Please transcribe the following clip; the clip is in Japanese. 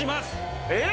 えっ！？